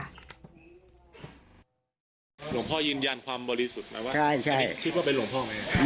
หลวงพ่อยืนยันความบริสุทธิ์ไหมว่าคิดว่าเป็นหลวงพ่อไหมครับ